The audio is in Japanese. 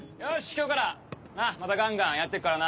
今日からまたガンガンやってくからな。